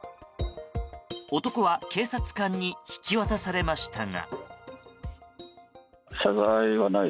男は、警察官に引き渡されましたが。